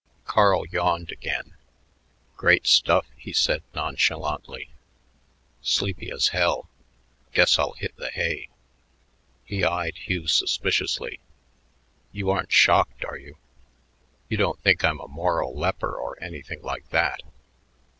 Carl yawned again. "Great stuff," he said nonchalantly. "Sleepy as hell. Guess I'll hit the hay." He eyed Hugh suspiciously. "You aren't shocked, are you? You don't think I'm a moral leper or anything like that?"